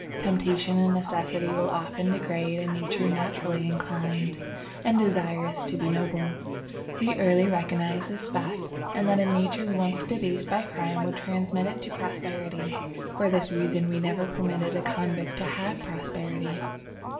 "Temptation and necessity will often degrade a nature naturally inclined and desirous to be noble. We early recognized this fact, and that a nature once debased by crime would transmit it to posterity. For this reason we never permitted a convict to have posterity."